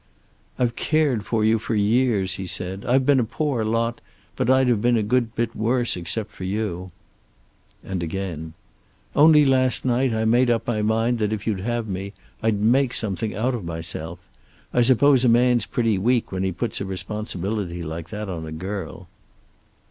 "I've cared for you for years," he said. "I've been a poor lot, but I'd have been a good bit worse, except for you." And again: "Only last night I made up my mind that if you'd have me, I'd make something out of myself. I suppose a man's pretty weak when he puts a responsibility like that on a girl."